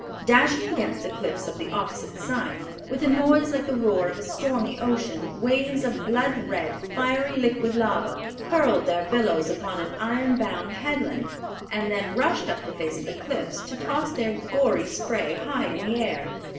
Dashing against the cliffs on the opposite side, with a noise like the roar of a stormy ocean, waves of blood red, fiery liquid lava hurled their billows upon an iron bound headland, and then rushed up the face of the cliffs to toss their gory spray high in the air."